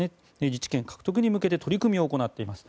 自治権獲得に向けて取り組みを行っています。